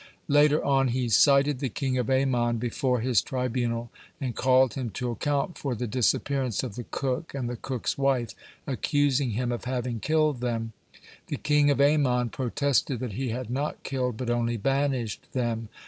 Later on he cited the king of Ammon before his tribunal, and called him to account for the disappearance of the cook and the cook's wife, accusing him of having killed them. The king of Ammon protested that he had not killed, but only banished them.